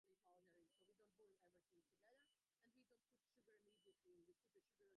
চতুর্থ রাউন্ডে খেলতে খেলতেই অসুস্থ হয়ে পড়েন উত্তরাঞ্চলের নিয়মিত অধিনায়ক নাঈম ইসলাম।